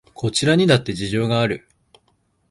こちらにだって事情がある